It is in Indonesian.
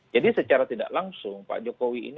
jadi secara tidak langsung pak jokowi ini